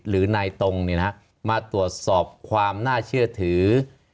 หรือนายตรงมาตรวจสอบความน่าเชื่อถือ